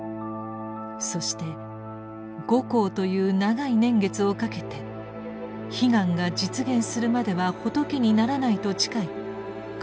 そして「五劫」という長い年月をかけて悲願が実現するまでは仏にならないと誓い苦行を重ねました。